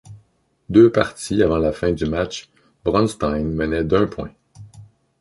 Deux parties avant la fin du match, Bronstein menait d'un point.